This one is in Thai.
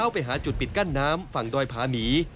ไปหาจุดปิดกั้นน้ำฝั่งดอยพาหมี